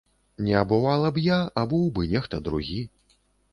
Не абувала б я, абуў бы нехта другі.